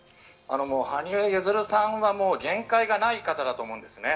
羽生結弦さんはもう限界がない方だと思うんですね。